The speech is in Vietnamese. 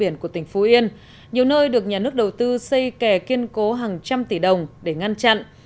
nhiều nơi được nhà nước đầu tư xây kè kiên cố hàng trăm tỷ đồng để ngăn chặn